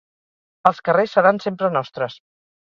Els carrers seran sempre nostres